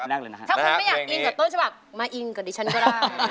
ถ้าคุณไม่อยากกินแต่ต้นฉบับมาอิงกับดิฉันก็ได้